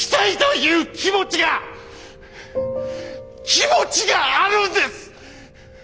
気持ちがあるんです！